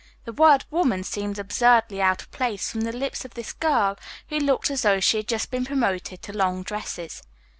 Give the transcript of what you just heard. The word "woman" seemed absurdly out of place from the lips of this girl who looked as though she had just been promoted to long dresses.